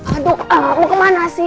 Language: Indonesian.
aduh mau kemana sih